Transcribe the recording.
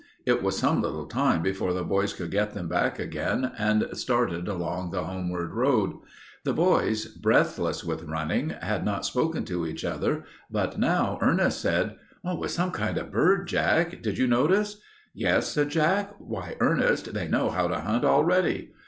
It was some little time before the boys could get them back again and started along the homeward road. The boys, breathless with running, had not spoken to each other, but now Ernest said: "It was some kind of a bird, Jack. Did you notice?" "Yes," said Jack. "Why, Ernest, they know how to hunt already."